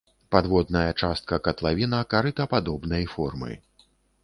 Падводная частка катлавіна карытападобнай формы.